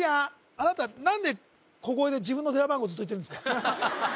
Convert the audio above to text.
あなた何で小声で自分の電話番号ずっと言ってるんですか？